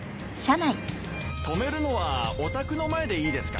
止めるのはお宅の前でいいですか？